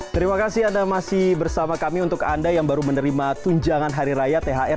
terima kasih anda masih bersama kami untuk anda yang baru menerima tunjangan hari raya thr